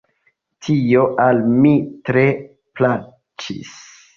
Tio al mi tre plaĉis.